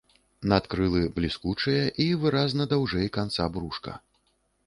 Надкрылы бліскучыя і выразна даўжэй канца брушка.